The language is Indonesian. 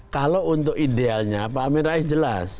kalau untuk idealnya pak amin rais jelas